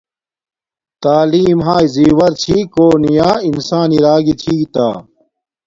تعیلم ہاݵݵ زیور چھی کونی یا انسان ارا گی چھی تا